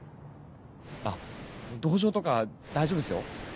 あっ同情とか大丈夫ですよ？